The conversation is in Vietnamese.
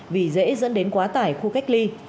vì dễ dẫn đến quá tải khu cách ly